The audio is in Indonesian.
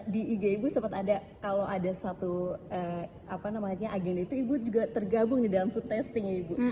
di ig ibu sempat ada kalau ada suatu agenda itu ibu juga tergabung di dalam food testing ya ibu